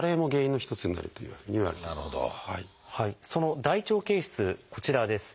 その大腸憩室こちらです。